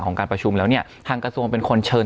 การประชุมแล้วเนี่ยทางกระทรวงเป็นคนเชิญ